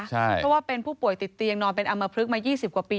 เพราะว่าเป็นผู้ป่วยติดเตียงนอนเป็นอำมพลึกมา๒๐กว่าปี